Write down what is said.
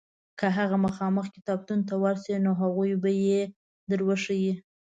که هغه مخامخ کتابتون ته ورشې نو هغوی به یې در وښیي.